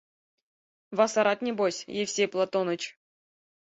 — Васарат небось, Евсей Платоныч!